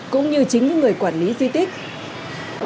cũng như chính những người quản lý di tích